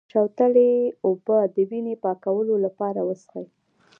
د شوتلې اوبه د وینې پاکولو لپاره وڅښئ